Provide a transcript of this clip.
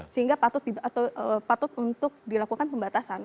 sehingga patut untuk dilakukan pembatasan